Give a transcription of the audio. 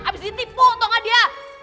abis ditipu tau gak dia